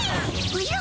おじゃ？